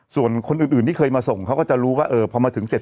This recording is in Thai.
ส่วนคนอื่นที่เคยมาส่งเขาก็จะรู้ว่าพอมาถึงเสร็จ